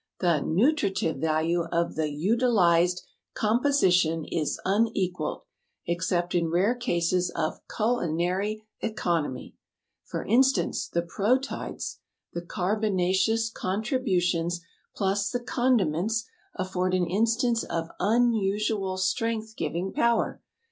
The nu tri tive value of the ut il ized com po si tion is unequaled, except in rare cases of cul in ary e con om y. For instance, the proteids, the car bon a ce ous contrib u tions plus the con di ments, afford an instance of un u su al strength giving power.